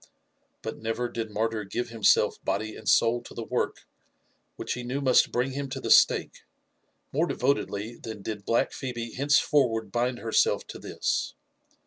But never did martyr give himself body and soul to the work which he knew must bring him to the stake, more devotedly than did black Phebe henceforward bind herself to this.